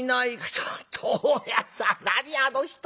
「ちょっと大家さん何あの人。